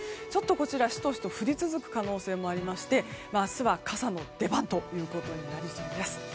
こちら、シトシト降り続く可能性もありまして明日は傘の出番ということになりそうです。